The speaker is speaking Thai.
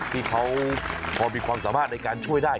ที่เขาพอมีความสามารถในการช่วยได้